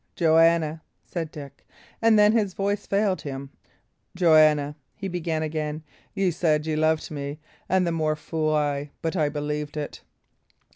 "Joanna," said Dick; and then his voice failed him. "Joanna," he began again, "ye said ye loved me; and the more fool I, but I believed it!"